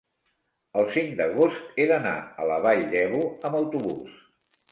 El cinc d'agost he d'anar a la Vall d'Ebo amb autobús.